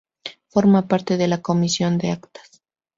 Forma parte de la Comisión de Actas.